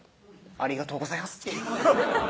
「ありがとうございます」